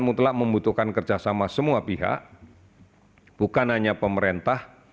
mutlak membutuhkan kerjasama semua pihak bukan hanya pemerintah